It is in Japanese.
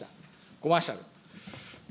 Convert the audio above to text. コマーシャル。